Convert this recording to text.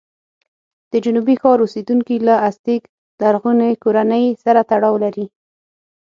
د جنوبي ښار اوسېدونکي له ازتېک لرغونې کورنۍ سره تړاو لري.